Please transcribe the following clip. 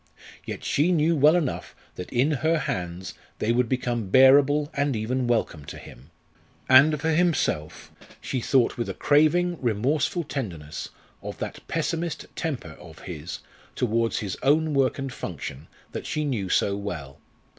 Yet she knew well enough that in her hands they would become bearable and even welcome to him. And for himself, she thought with a craving, remorseful tenderness of that pessimist temper of his towards his own work and function that she knew so well.